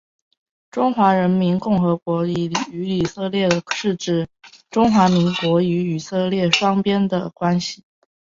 中华民国与以色列关系是指中华民国与以色列国双边的关系。